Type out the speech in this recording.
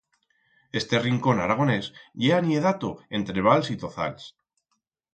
Este rincón aragonés ye aniedato entre vals y tozals.